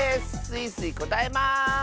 スイスイこたえます！